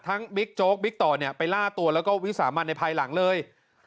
บิ๊กโจ๊กบิ๊กต่อเนี่ยไปล่าตัวแล้วก็วิสามันในภายหลังเลย